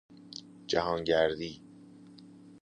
جهانگردی